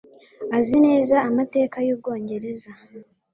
Azi neza amateka y'Ubwongereza.